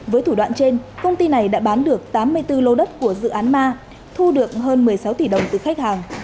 với thủ đoạn trên công ty này đã bán được tám mươi bốn lô đất của dự án ma thu được hơn một mươi sáu tỷ đồng từ khách hàng